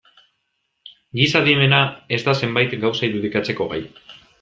Giza adimena ez da zenbait gauza irudikatzeko gai.